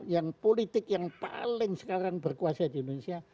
yang politik yang paling sekarang berkuasa di indonesia